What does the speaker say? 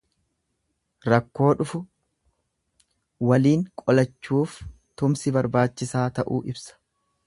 Rakkoo dhufu waliin qolachuuf tumsi barbaachisaa ta'uu ibsa.